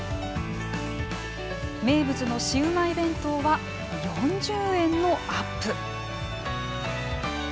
名物のシウマイ弁当は４０円のアップ。